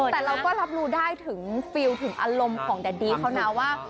แต่เราก็รับรู้ได้ถึงฟิลลถึงอารมณ์ของแดดดี้เขานะว่า